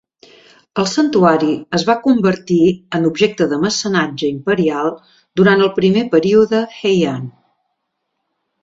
El santuari es va convertir en objecte de mecenatge imperial durant el primer període Heian.